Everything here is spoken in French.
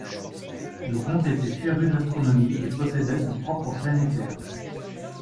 Le comte était féru d'astronomie et possédait son propre planétaire.